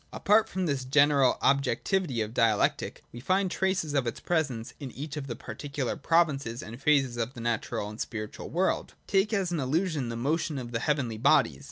Apart from this general objectivity of Dialectic, we find traces of its presence in each of the particular provinces and phases of the natural and the spiritual world. Take as an illustration the motion of the heavenly bodies.